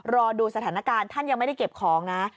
รอดูสถานการณ์ท่านยังไม่ได้เก็บของนะ